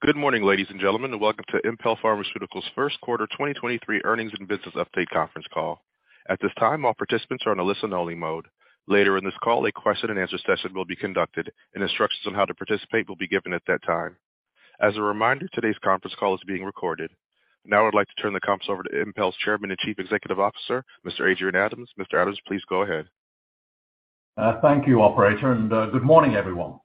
Good morning, ladies and gentlemen, and welcome to Impel Pharmaceuticals first quarter 2023 earnings and business update conference call. At this time, all participants are on a listen only mode. Later in this call, a question-and-answer session will be conducted, and instructions on how to participate will be given at that time. As a reminder, today's conference call is being recorded. Now I'd like to turn the conference over to Impel's Chairman and Chief Executive Officer, Mr. Adrian Adams. Mr. Adams, please go ahead. Thank you operator, and good morning everyone.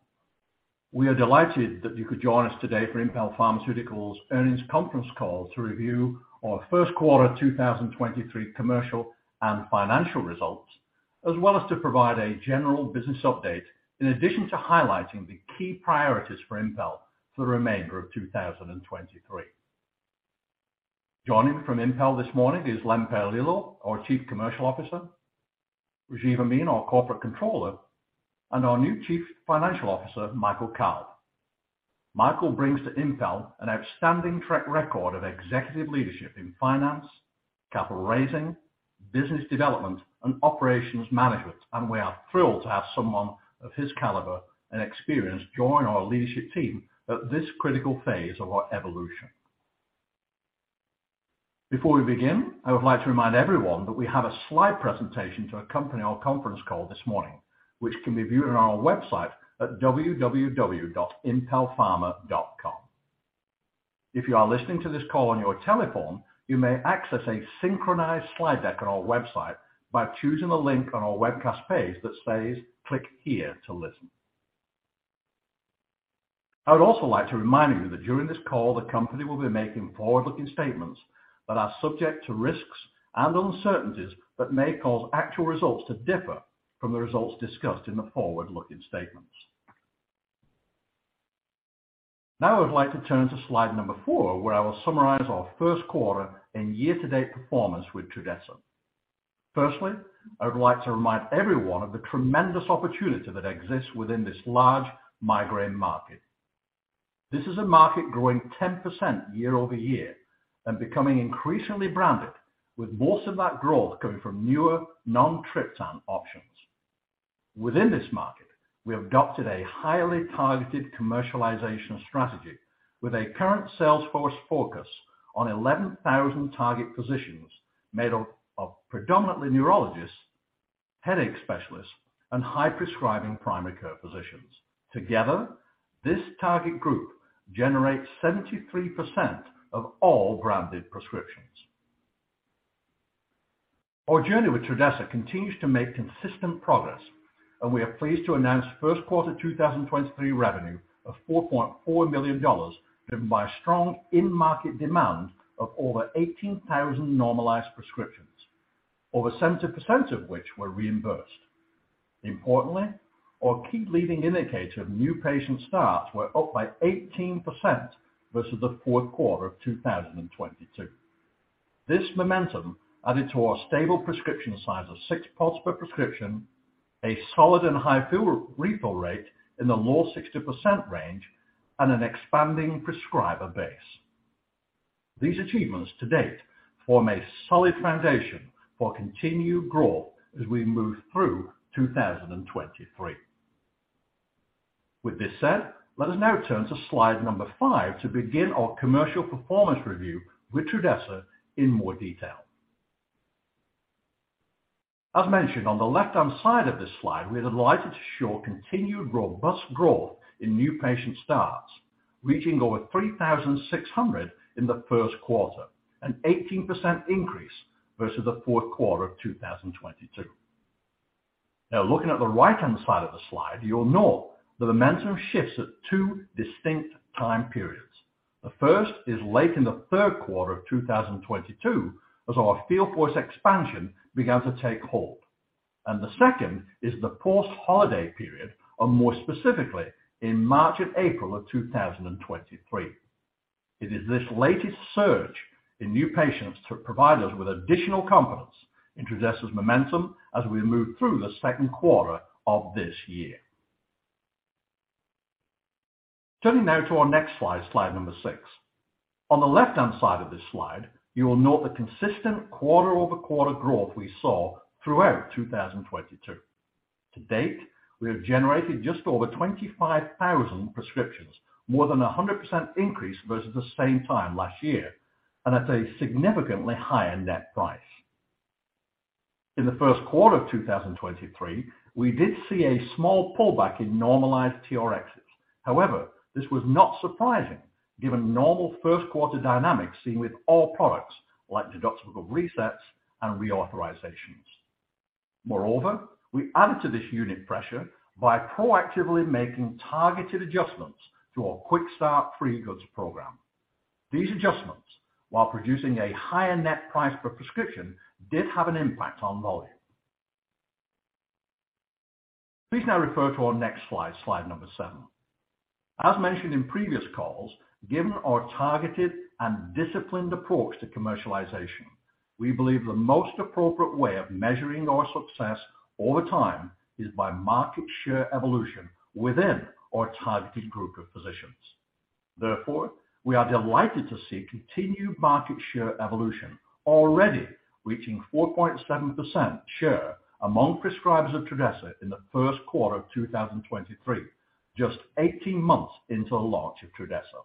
We are delighted that you could join us today for Impel Pharmaceuticals earnings conference call to review our first quarter 2023 commercial and financial results, as well as to provide a general business update in addition to highlighting the key priorities for Impel for the remainder of 2023. Joining from Impel this morning is Len Paolillo, our Chief Commercial Officer, Rajiv Amin, our Corporate Controller, and our new Chief Financial Officer, Michael Kalb. Michael brings to Impel an outstanding track record of executive leadership in finance, capital raising, business development, and operations management, and we are thrilled to have someone of his caliber and experience join our leadership team at this critical phase of our evolution. Before we begin, I would like to remind everyone that we have a slide presentation to accompany our conference call this morning, which can be viewed on our website at www.impelpharma.com. If you are listening to this call on your telephone, you may access a synchronized slide deck on our website by choosing the link on our webcast page that says, "Click here to listen." I would also like to remind you that during this call, the company will be making forward-looking statements that are subject to risks and uncertainties that may cause actual results to differ from the results discussed in the forward-looking statements. Now I would like to turn to slide number four, where I will summarize our first quarter and year-to-date performance with Trudhesa. Firstly, I would like to remind everyone of the tremendous opportunity that exists within this large migraine market. This is a market growing 10% year-over-year and becoming increasingly branded with most of that growth coming from newer non-triptan options. Within this market, we adopted a highly targeted commercialization strategy with a current sales force focus on 11,000 target positions made up of predominantly neurologists, headache specialists, and high prescribing primary care physicians. Together, this target group generates 73% of all branded prescriptions. Our journey with Trudhesa continues to make consistent progress, and we are pleased to announce first quarter 2023 revenue of $4.4 million driven by strong in-market demand of over 18,000 normalized prescriptions, over 70% of which were reimbursed. Importantly, our key leading indicator of new patient starts were up by 18% versus the fourth quarter of 2022. This momentum added to our stable prescription size of six pulse per prescription, a solid and high fill re-refill rate in the low 60% range, and an expanding prescriber base. These achievements to date form a solid foundation for continued growth as we move through 2023. With this said, let us now turn to slide number five to begin our commercial performance review with Trudhesa in more detail. As mentioned on the left-hand side of this slide, we are delighted to show continued robust growth in new patient starts, reaching over 3,600 in the first quarter, an 18% increase versus the fourth quarter of 2022. Now looking at the right-hand side of the slide, you'll note the momentum shifts at two distinct time periods. The first is late in the third quarter of 2022 as our field force expansion began to take hold. The second is the post-holiday period, or more specifically in March and April of 2023. It is this latest surge in new patients to provide us with additional confidence in Trudhesa's momentum as we move through the second quarter of this year. Turning now to our next slide number six. On the left-hand side of this slide, you will note the consistent quarter-over-quarter growth we saw throughout 2022. To date, we have generated just over 25,000 prescriptions, more than 100% increase versus the same time last year, and at a significantly higher net price. In the first quarter of 2023, we did see a small pullback in normalized TRxs. However, this was not surprising given normal first quarter dynamics seen with all products like deductible resets and reauthorizations. Moreover, we added to this unit pressure by proactively making targeted adjustments to our QuickStart free goods program. These adjustments, while producing a higher net price per prescription, did have an impact on volume. Please now refer to our next slide number seven. As mentioned in previous calls, given our targeted and disciplined approach to commercialization, we believe the most appropriate way of measuring our success over time is by market share evolution within our targeted group of physicians. Therefore, we are delighted to see continued market share evolution already reaching 4.7% share among prescribers of Trudhesa in the first quarter of 2023, just 18 months into the launch of Trudhesa.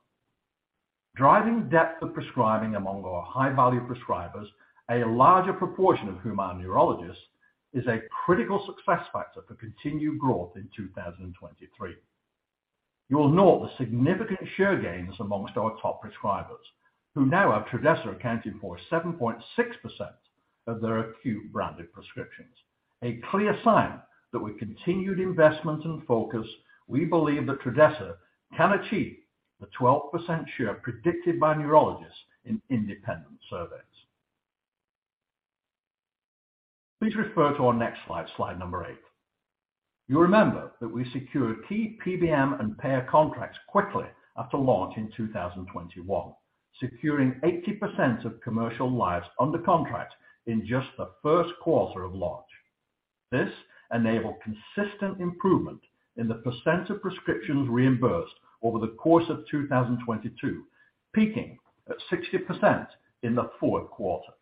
Driving depth of prescribing among our high-value prescribers, a larger proportion of whom are neurologists, is a critical success factor for continued growth in 2023. You'll note the significant share gains amongst our top prescribers, who now have Trudhesa accounting for 7.6% of their acute branded prescriptions. A clear sign that with continued investments and focus, we believe that Trudhesa can achieve the 12% share predicted by neurologists in independent surveys. Please refer to our next slide number eight. You'll remember that we secured key PBM and payer contracts quickly after launch in 2021, securing 80% of commercial lives under contract in just the first quarter of launch. This enabled consistent improvement in the percent of prescriptions reimbursed over the course of 2022, peaking at 60% in the fourth quarter.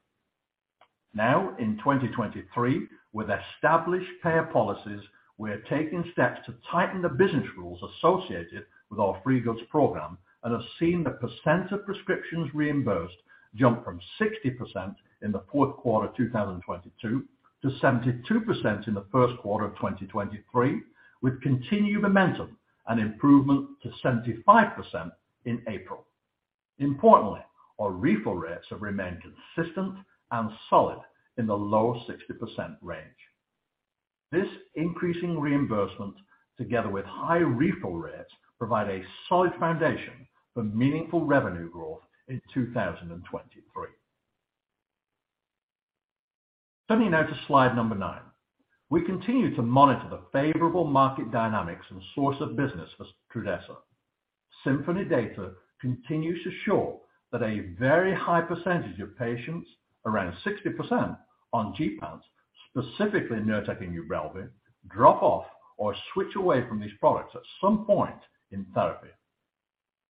Now, in 2023, with established payer policies, we are taking steps to tighten the business rules associated with our free goods program and have seen the percent of prescriptions reimbursed jump from 60% in the fourth quarter of 2022 to 72% in the first quarter of 2023, with continued momentum and improvement to 75% in April. Importantly, our refill rates have remained consistent and solid in the low 60% range. This increasing reimbursement together with high refill rates provide a solid foundation for meaningful revenue growth in 2023. Turning now to slide nine. We continue to monitor the favorable market dynamics and source of business for Trudhesa. Symphony data continues to show that a very high percentage of patients, around 60% on gepants, specifically Nurtec and UBRELVY, drop off or switch away from these products at some point in therapy.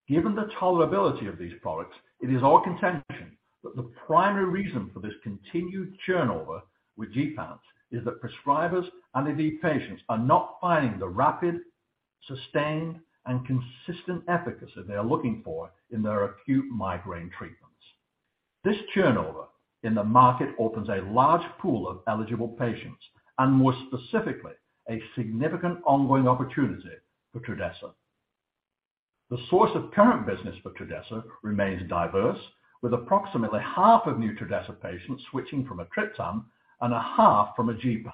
Given the tolerability of these products, it is our contention that the primary reason for this continued turnover with gepants is that prescribers and indeed patients are not finding the rapid, sustained, and consistent efficacy they are looking for in their acute migraine treatments. This turnover in the market opens a large pool of eligible patients, and more specifically, a significant ongoing opportunity for Trudhesa. The source of current business for Trudhesa remains diverse, with approximately half of new Trudhesa patients switching from a triptan and a half from a gepant.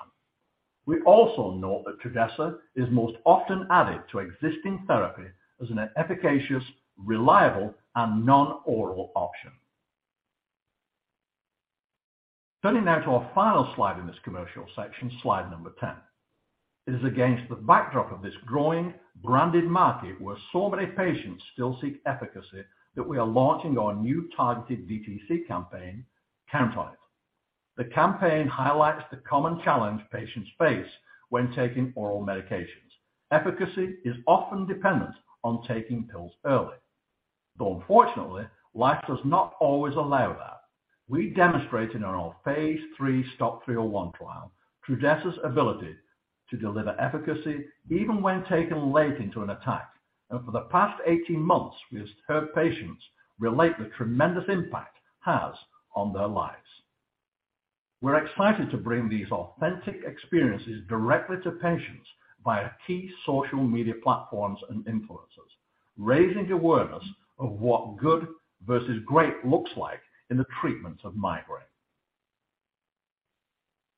We also note that Trudhesa is most often added to existing therapy as an efficacious, reliable, and non-oral option. Turning now to our final slide in this commercial section, slide number 10. It is against the backdrop of this growing branded market where so many patients still seek efficacy that we are launching our new targeted DTC campaign, Count On It. The campaign highlights the common challenge patients face when taking oral medications. Efficacy is often dependent on taking pills early. Unfortunately, life does not always allow that. We demonstrated in our phase III STOP 301 trial Trudhesa's ability to deliver efficacy even when taken late into an attack. For the past 18 months, we have heard patients relate the tremendous impact it has on their lives. We're excited to bring these authentic experiences directly to patients via key social media platforms and influencers, raising awareness of what good versus great looks like in the treatment of migraine.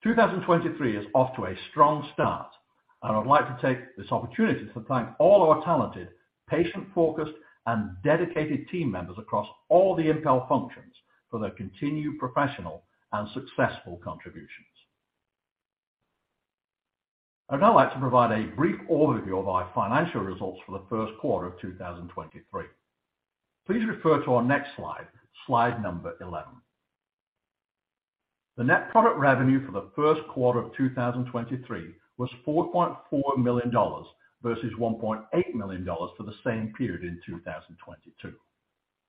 2023 is off to a strong start, and I'd like to take this opportunity to thank all our talented, patient-focused, and dedicated team members across all the Impel functions for their continued professional and successful contributions. I'd now like to provide a brief overview of our financial results for the first quarter of 2023. Please refer to our next slide, slide number 11. The net product revenue for the first quarter of 2023 was $4.4 million, versus $1.8 million for the same period in 2022.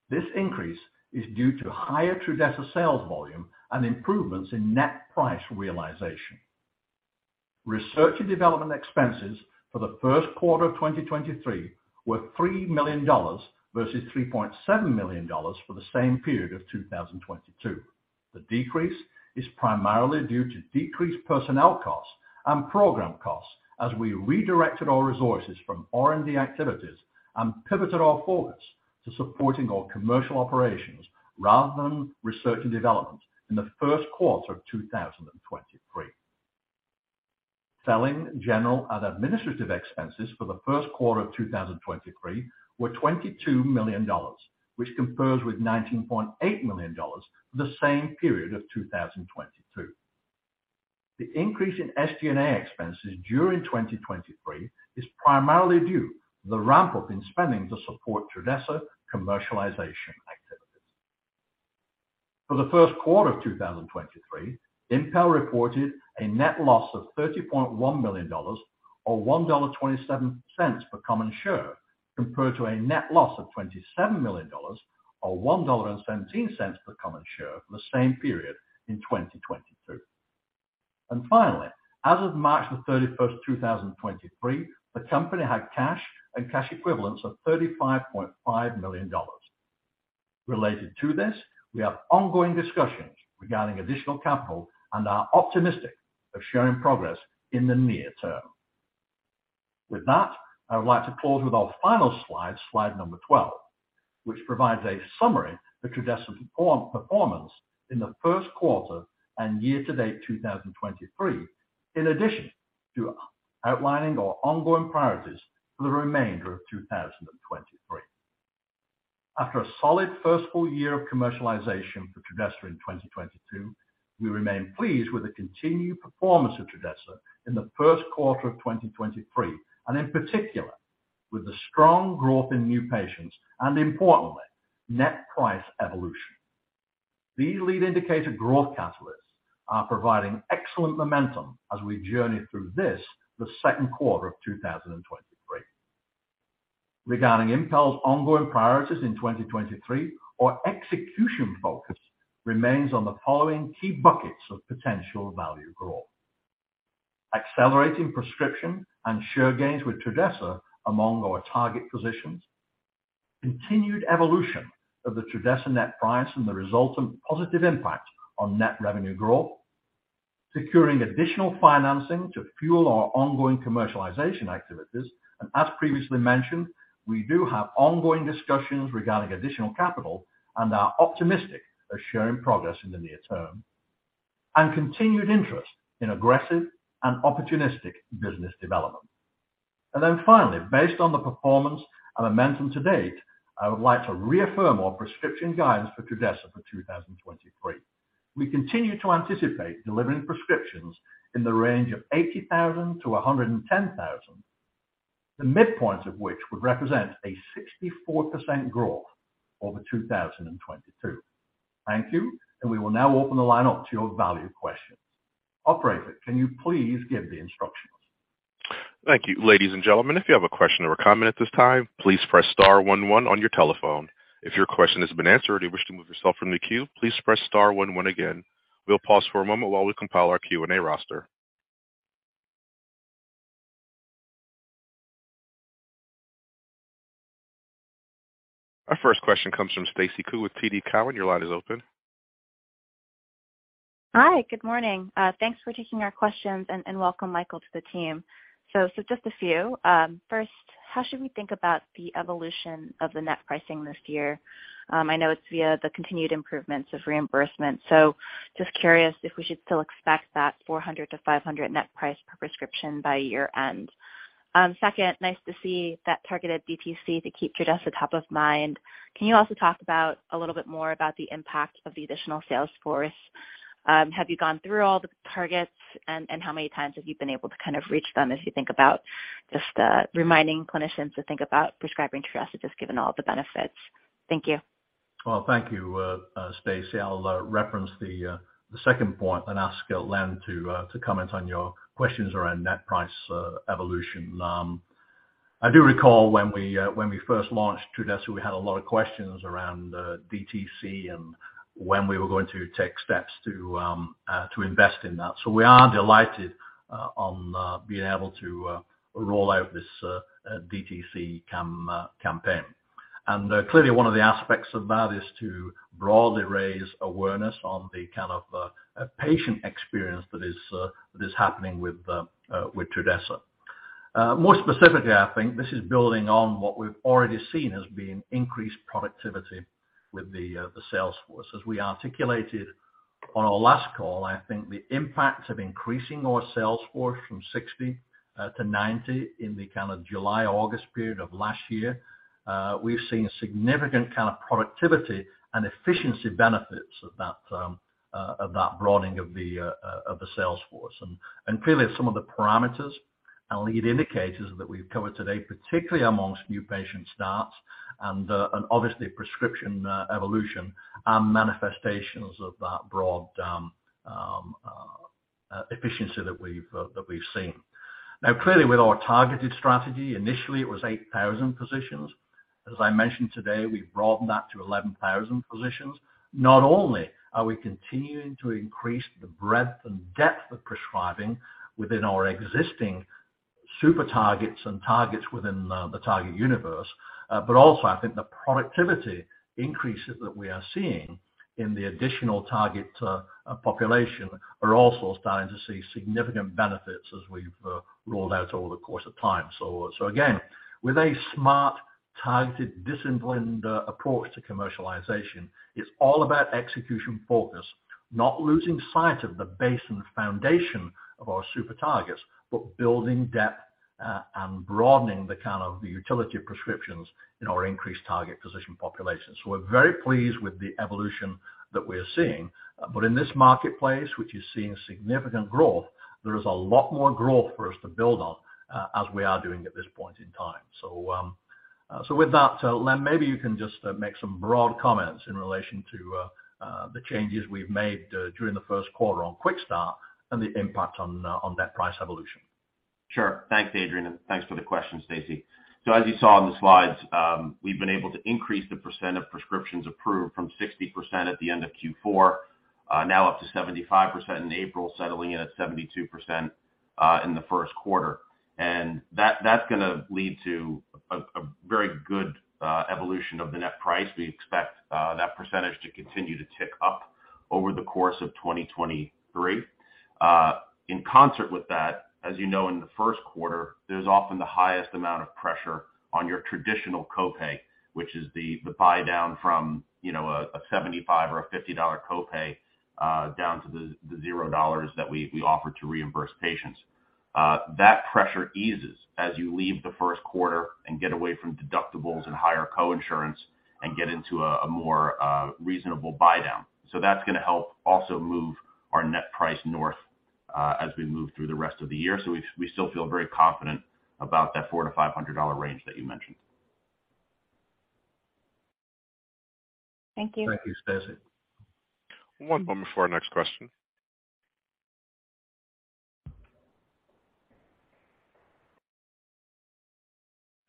This increase is due to higher Trudhesa sales volume and improvements in net price realization. Research and development expenses for the first quarter of 2023 were $3 million, versus $3.7 million for the same period of 2022. The decrease is primarily due to decreased personnel costs and program costs as we redirected our resources from R&D activities and pivoted our focus to supporting our commercial operations rather than research and development in the first quarter of 2023. Selling, general, and administrative expenses for the first quarter of 2023 were $22 million, which compares with $19.8 million for the same period of 2022. The increase in SG&A expenses during 2023 is primarily due to the ramp-up in spending to support Trudhesa commercialization activities. For the first quarter of 2023, Impel reported a net loss of $30.1 million or $1.27 per common share, compared to a net loss of $27 million or $1.17 per common share for the same period in 2022. Finally, as of March 31st, 2023, the company had cash and cash equivalents of $35.5 million. Related to this, we have ongoing discussions regarding additional capital and are optimistic of sharing progress in the near-term. With that, I would like to close with our final slide, slide number 12, which provides a summary of the Trudhesa performance in the first quarter and year-to-date 2023, in addition to outlining our ongoing priorities for the remainder of 2023. After a solid first full year of commercialization for Trudhesa in 2022, we remain pleased with the continued performance of Trudhesa in the first quarter of 2023, and in particular, with the strong growth in new patients and importantly, net price evolution. These lead indicator growth catalysts are providing excellent momentum as we journey through this, the second quarter of 2023. Regarding Impel's ongoing priorities in 2023, our execution focus remains on the following key buckets of potential value growth. Accelerating prescription and share gains with Trudhesa among our target physicians. Continued evolution of the Trudhesa net price and the result and positive impact on net revenue growth. Securing additional financing to fuel our ongoing commercialization activities. As previously mentioned, we do have ongoing discussions regarding additional capital and are optimistic of sharing progress in the near-term. Continued interest in aggressive and opportunistic business development. Finally, based on the performance and momentum to date, I would like to reaffirm our prescription guidance for Trudhesa for 2023. We continue to anticipate delivering prescriptions in the range of 80,000-110,000, the midpoint of which would represent a 64% growth over 2022. Thank you. We will now open the line up to your valued questions. Operator, can you please give the instructions? Thank you. Ladies and gentlemen, if you have a question or a comment at this time, please press star one one on your telephone. If your question has been answered or you wish to move yourself from the queue, please press star one one again. We'll pause for a moment while we compile our Q&A roster. Our first question comes from Stacy Ku with TD Cowen. Your line is open. Hi. Good morning. Thanks for taking our questions and welcome Michael to the team. Just a few. First, how should we think about the evolution of the net pricing this year? I know it's via the continued improvements of reimbursement, so just curious if we should still expect that $400-$500 net price per prescription by year-end. Second, nice to see that targeted DTC to keep Trudhesa top of mind. Can you also talk about a little bit more about the impact of the additional sales force? Have you gone through all the targets and how many times have you been able to kind of reach them as you think about just reminding clinicians to think about prescribing Trudhesa, just given all the benefits? Thank you. Well, thank you, Stacy. I'll reference the second point and ask Len to comment on your questions around net price evolution. I do recall when we first launched Trudhesa, we had a lot of questions around DTC and when we were going to take steps to invest in that. We are delighted on being able to roll out this DTC campaign. Clearly one of the aspects of that is to broadly raise awareness on the kind of patient experience that is happening with Trudhesa. More specifically, I think this is building on what we've already seen as being increased productivity with the sales force. As we articulated on our last call, I think the impact of increasing our sales force from 60 to 90 in the kind of July, August period of last year, we've seen significant kind of productivity and efficiency benefits of that, of that broadening of the sales force. Clearly some of the parameters and lead indicators that we've covered today, particularly amongst new patient starts and obviously prescription evolution are manifestations of that broad efficiency that we've seen. Clearly with our targeted strategy, initially it was 8,000 physicians. As I mentioned today, we've broadened that to 11,000 physicians. Not only are we continuing to increase the breadth and depth of prescribing within our existing super targets and targets within the target universe, but also I think the productivity increases that we are seeing in the additional target population are also starting to see significant benefits as we've rolled out over the course of time. Again, with a smart, targeted, disciplined approach to commercialization, it's all about execution focus, not losing sight of the base and foundation of our super targets, but building depth and broadening the kind of the utility prescriptions in our increased target physician population. We're very pleased with the evolution that we're seeing. In this marketplace, which is seeing significant growth, there is a lot more growth for us to build on as we are doing at this point in time. With that, Len, maybe you can just make some broad comments in relation to the changes we've made during the first quarter on QuickStart and the impact on net price evolution. Sure. Thanks, Adrian. Thanks for the question, Stacy. As you saw on the slides, we've been able to increase the percent of prescriptions approved from 60% at the end of Q4, now up to 75% in April, settling in at 72% in the first quarter. That's gonna lead to a very good evolution of the net price. We expect that percentage to continue to tick up over the course of 2023. In concert with that, as you know, in the first quarter, there's often the highest amount of pressure on your traditional copay, which is the buy-down from, you know, a $75 or a $50 copay, down to the $0 that we offer to reimburse patients. That pressure eases as you leave the first quarter and get away from deductibles and higher co-insurance and get into a more reasonable buy-down. That's gonna help also move our net price north as we move through the rest of the year. We still feel very confident about that $400-$500 range that you mentioned. Thank you. Thank you, Stacy. One moment for our next question.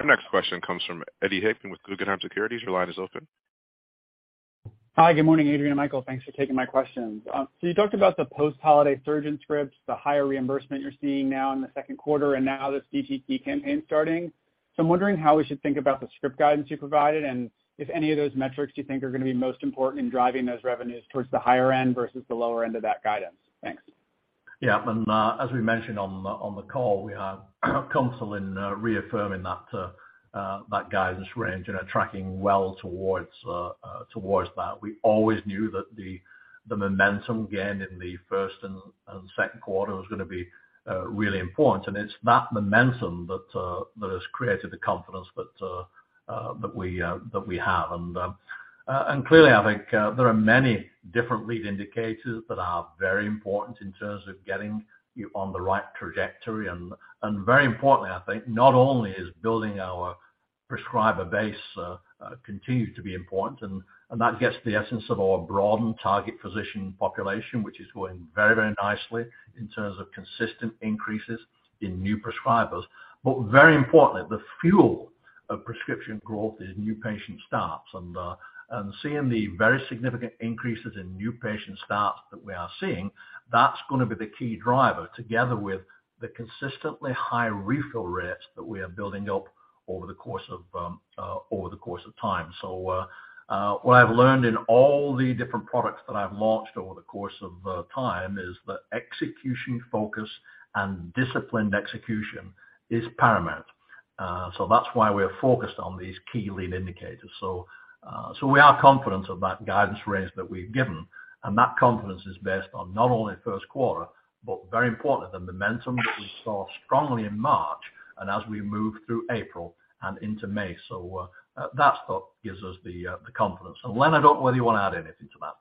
Our next question comes from Eddie Hickman with Guggenheim Securities. Your line is open. Hi, good morning, Adrian and Michael. Thanks for taking my questions. You talked about the post-holiday surge in scripts, the higher reimbursement you're seeing now in the second quarter and now this DTC campaign starting. I'm wondering how we should think about the script guidance you provided and if any of those metrics you think are gonna be most important in driving those revenues towards the higher end versus the lower end of that guidance. Thanks. Yeah. As we mentioned on the call, we are confident in reaffirming that guidance range and are tracking well towards that. We always knew that the momentum gained in the first and second quarter was gonna be really important. It's that momentum that has created the confidence that we have. Clearly, I think, there are many different lead indicators that are very important in terms of getting you on the right trajectory. Very importantly, I think, not only is building our prescriber base continues to be important, and that gets to the essence of our broadened target physician population, which is going very, very nicely in terms of consistent increases in new prescribers. Very importantly, the fuel of prescription growth is new patient starts. Seeing the very significant increases in new patient starts that we are seeing, that's gonna be the key driver, together with the consistently high refill rates that we are building up over the course of time. What I've learned in all the different products that I've launched over the course of time is that execution focus and disciplined execution is paramount. That's why we're focused on these key lead indicators. We are confident of that guidance range that we've given, and that confidence is based on not only first quarter, but very importantly, the momentum that we saw strongly in March and as we move through April and into May. That's what gives us the confidence. Len, I don't know whether you wanna add anything to that.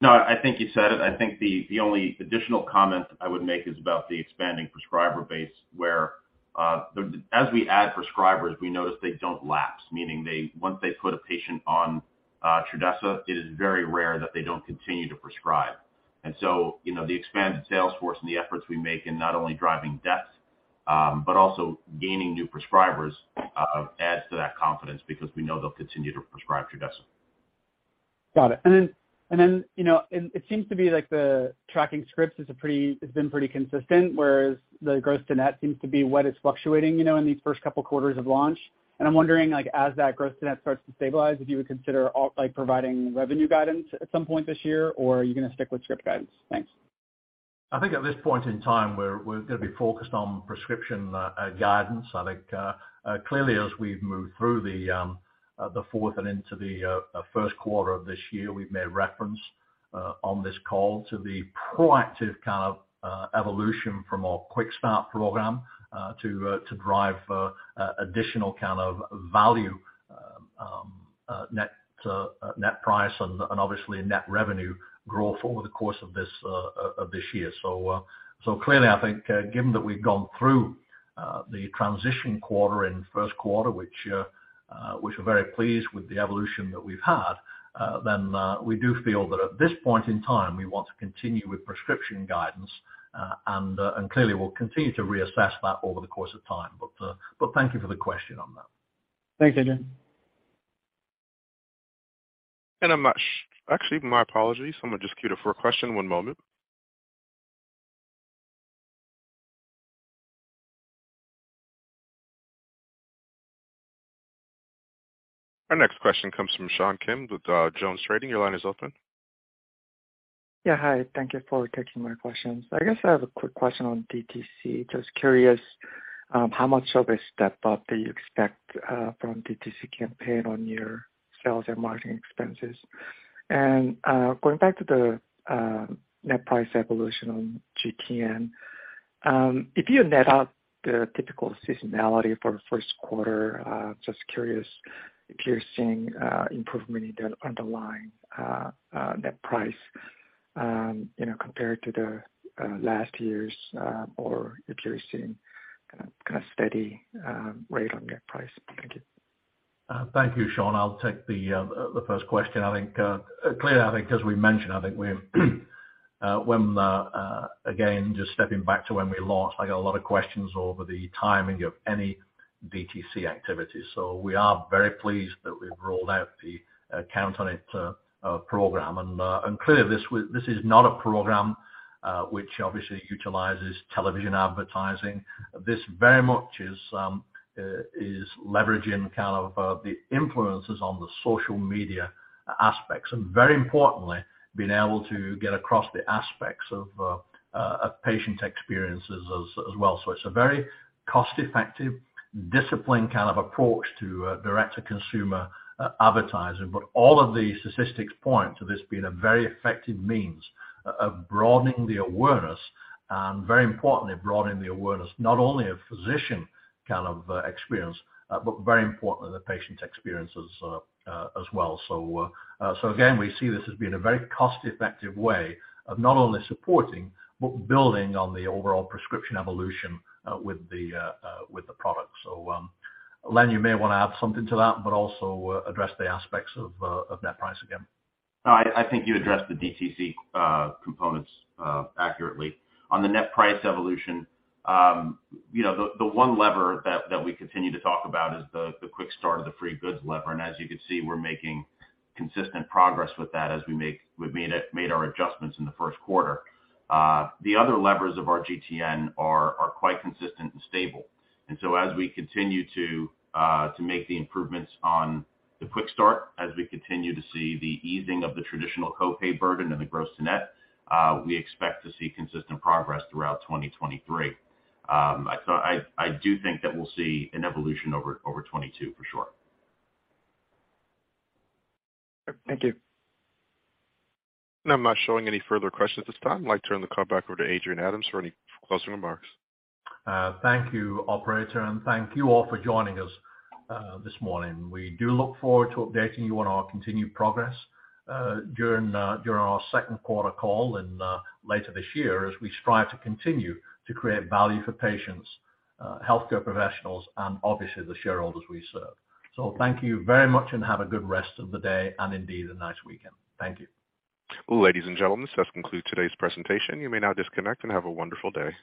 No, I think you said it. I think the only additional comment I would make is about the expanding prescriber base, where, as we add prescribers, we notice they don't lapse. Meaning once they put a patient on, Trudhesa, it is very rare that they don't continue to prescribe. you know, the expanded sales force and the efforts we make in not only driving depth, but also gaining new prescribers, adds to that confidence because we know they'll continue to prescribe Trudhesa. Got it. You know, it seems to be like the tracking scripts is a pretty consistent, whereas the gross-to-net seems to be what is fluctuating, you know, in these first couple quarters of launch. I'm wondering, like, as that gross-to-net starts to stabilize, if you would consider like, providing revenue guidance at some point this year, or are you gonna stick with script guidance? Thanks. I think at this point in time, we're gonna be focused on prescription guidance. I think clearly, as we've moved through the fourth and into the first quarter of this year, we've made reference on this call to the proactive kind of evolution from our QuickStart program to drive additional kind of value, net price and, obviously net revenue growth over the course of this year. Clearly, I think given that we've gone through the transition quarter in the first quarter, which we're very pleased with the evolution that we've had. We do feel that at this point in time, we want to continue with prescription guidance. Clearly we'll continue to reassess that over the course of time. Thank you for the question on that. Thanks, Adrian. I'm actually, my apologies. I'm gonna just queue it for a question. One moment. Our next question comes from Sean Kim with JonesTrading. Your line is open. Yeah. Hi. Thank you for taking my questions. I guess I have a quick question on DTC. Just curious, how much of a step up do you expect from DTC campaign on your sales and marketing expenses? Going back to the net price evolution on GTN, if you net out the typical seasonality for the first quarter, just curious if you're seeing improvement in the underlying net price, you know, compared to the last year's, or if you're seeing kinda steady rate on net price. Thank you. Thank you, Sean. I'll take the first question. I think clearly, I think as we mentioned, I think we've when again, just stepping back to when we launched, I got a lot of questions over the timing of any DTC activity. We are very pleased that we've rolled out the Count on It program. Clearly, this is not a program which obviously utilizes television advertising. This very much is leveraging kind of the influences on the social media aspects, and very importantly, being able to get across the aspects of patient experiences as well. It's a very cost-effective discipline kind of approach to direct-to-consumer advertising. All of the statistics point to this being a very effective means of broadening the awareness and very importantly, broadening the awareness not only of physician kind of experience, but very importantly, the patient experiences as well. Again, we see this as being a very cost-effective way of not only supporting, but building on the overall prescription evolution with the product. Len, you may wanna add something to that, but also address the aspects of net price again. No, I think you addressed the DTC components accurately. On the net price evolution, you know, the one lever that we continue to talk about is the QuickStart of the free goods lever. As you can see, we're making consistent progress with that as we've made our adjustments in the first quarter. The other levers of our GTN are quite consistent and stable. As we continue to make the improvements on the QuickStart, as we continue to see the easing of the traditional co-pay burden and the gross-to-net, we expect to see consistent progress throughout 2023. I do think that we'll see an evolution over 2022 for sure. Thank you. I'm not showing any further questions at this time. I'd like to turn the call back over to Adrian Adams for any closing remarks. Thank you operator, and thank you all for joining us this morning. We do look forward to updating you on our continued progress during our second quarter call and later this year as we strive to continue to create value for patients, healthcare professionals, and obviously the shareholders we serve. Thank you very much and have a good rest of the day and indeed a nice weekend. Thank you. Ladies and gentlemen, this does conclude today's presentation. You may now disconnect and have a wonderful day.